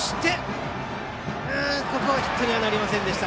ここはヒットにはなりませんでした。